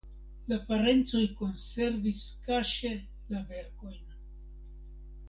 La parencoj konservis kaŝe la verkojn.